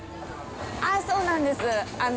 あっ、そうなんです。